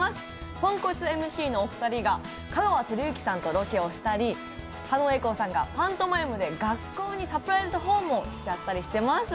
ポンコツＭＣのお二人が香川照之さんとロケをしたり狩野英孝さんがパントマイムで学校にサプライズ訪問しちゃったりしてます。